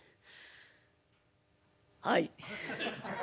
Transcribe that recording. はい。